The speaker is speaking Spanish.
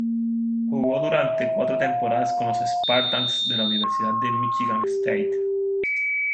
Jugó durante cuatro temporadas con los "Spartans" de la Universidad de Michigan State.